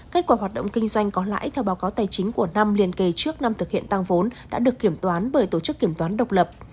kết quả hoạt động kinh doanh có lãi theo báo cáo tài chính của năm liên kề trước năm thực hiện tăng vốn đã được kiểm toán bởi tổ chức kiểm toán độc lập